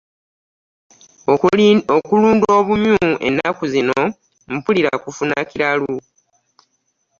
Okulunda obumyu ennaku zino mpulira kufuna kiralu.